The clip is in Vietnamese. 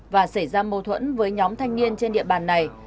và xảy ra mâu thuẫn với nhóm thanh niên trên địa bàn này